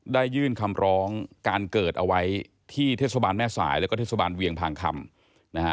ยื่นคำร้องการเกิดเอาไว้ที่เทศบาลแม่สายแล้วก็เทศบาลเวียงพางคำนะฮะ